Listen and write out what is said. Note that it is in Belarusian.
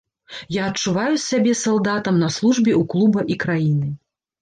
Я адчуваю сябе салдатам на службе ў клуба і краіны.